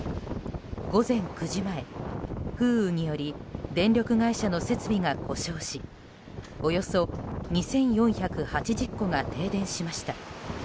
午前９時前、風雨により電力会社の設備が故障しおよそ２４８０戸が停電しました。